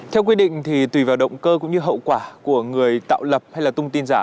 theo quy định thì tùy vào động cơ cũng như hậu quả của người tạo lập hay là tung tin giả